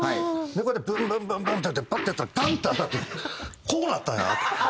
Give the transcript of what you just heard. こうやってブンブンブンブンってやってパッてやったらガンって当たってこうなったんや。